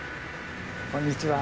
こんにちは。